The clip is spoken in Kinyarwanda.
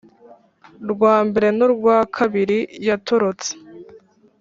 Rwa mbere n urwa kabiri yatorotse